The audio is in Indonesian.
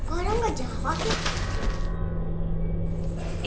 orang gak jawab ya